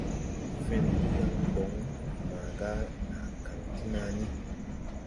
Fen po yaŋ bɔŋ maaga naa kaŋ ti naa ni,